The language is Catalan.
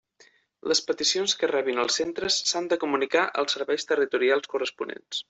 Les peticions que rebin els centres s'han de comunicar als serveis territorials corresponents.